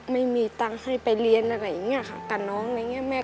ไม่มีตังค์ให้ไปเรียนอะไรอย่างนี้ค่ะกับน้องอะไรอย่างนี้